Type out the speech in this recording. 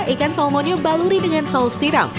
ikan salmonnya baluri dengan saus tiram